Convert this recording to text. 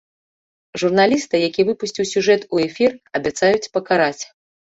Журналіста, які выпусціў сюжэт у эфір, абяцаюць пакараць.